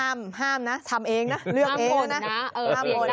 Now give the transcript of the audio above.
ห้ามห้ามนะทำเองนะเลือกเองนะ